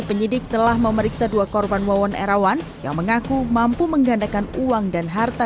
penyidik telah memeriksa dua korban wawon erawan yang mengaku mampu menggandakan uang dan harta